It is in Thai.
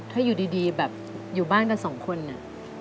ถ้าอยู่ดีแบบอยู่บ้านกันสองคนอะ